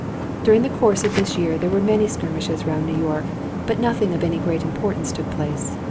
During the course of this year there were many skirmishes round New York, but nothing of any great importance took place.